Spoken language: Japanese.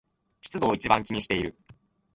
湿度を一番気にしている